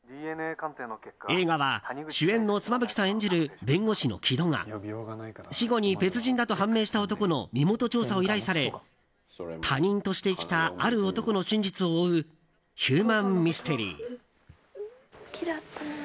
映画は主演の妻夫木さん演じる弁護士の城戸が死後に別人だと判明した男の身元調査を依頼され他人として生きたある男の真実を追うヒューマンミステリー。